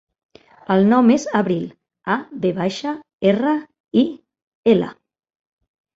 El nom és Avril: a, ve baixa, erra, i, ela.